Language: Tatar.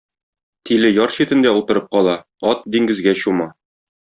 Тиле яр читендә утырып кала, ат диңгезгә чума.